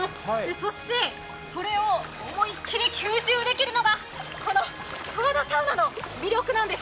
そしてそれを思いっきり吸収できるのが、この十和田サウナの魅力なんです。